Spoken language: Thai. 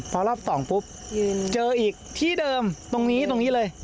เพราะรอบ๒ปุ๊บเจออีกที่เดิมตรงนี้เลย